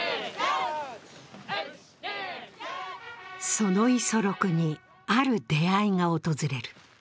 その五十六に、ある出会いが訪れる。